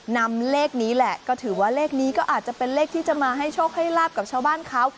นำเลขนี้แหละก็ถือว่าเลขนี้ก็อาจจะเป็นเลขที่จะมาให้โชคให้ลาบกับชาวบ้านเขา